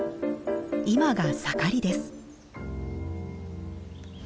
今が盛りです。